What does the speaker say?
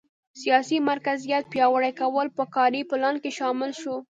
سیاسي مرکزیت پیاوړي کول په کاري پلان کې شامل شو.